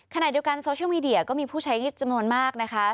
ขณะเดียวกันโซเชียลมีเดียก็มีผู้ใช้จำนวนมากนะคะ